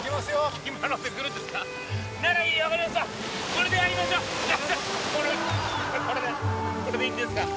これでこれでいいんですか。